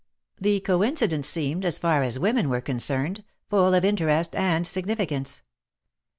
The coincidence seemed, as far as women were concerned, full of interest and significance.